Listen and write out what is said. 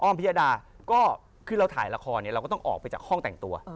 พิยดาก็คือเราถ่ายละครเนี่ยเราก็ต้องออกไปจากห้องแต่งตัว